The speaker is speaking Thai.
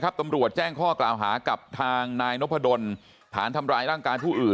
ตำรวจแจ้งข้อกล่าวหากับทางนายนพดลฐานทำร้ายร่างกายผู้อื่น